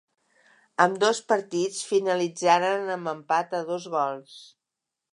Ambdós partits finalitzaren amb empat a dos gols.